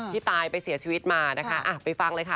ตายไปเสียชีวิตมานะคะไปฟังเลยค่ะ